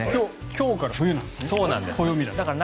今日から冬なんですね。